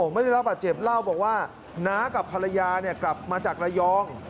ไม่ได้รับบาดเจ็บเล่าบอกว่าน้ากับภรรยากลับมาจากระยอง